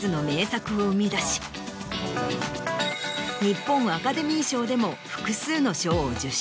日本アカデミー賞でも複数の賞を受賞。